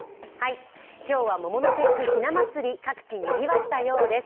今日は桃の節句、ひな祭り、各地にぎわったようです。